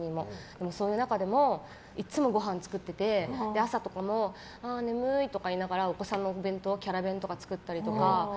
でも、そういう中でもいつもごはん作ってて朝とかも眠いとか言いながらお子さんのお弁当キャラ弁とか作ったりとか。